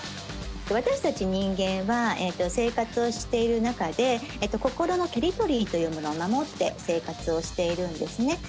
私たち人間は生活をしている中で心のテリトリーというものを守って生活をしているんですね。